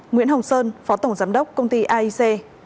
nguyễn hồng sơn phó tổng giám đốc công ty aic